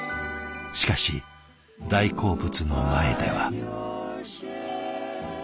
しかし大好物の前では。